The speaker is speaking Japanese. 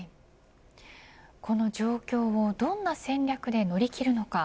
この状況をどんな戦略で乗り切るのか。